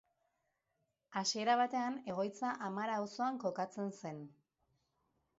Hasiera batean egoitza Amara auzoan kokatzen zen.